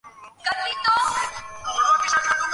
দক্ষিণভাগে বরফ নাই! বরফ তো ছোট জিনিষ।